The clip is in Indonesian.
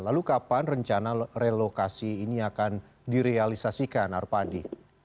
lalu kapan rencana relokasi ini akan direalisasikan arpandi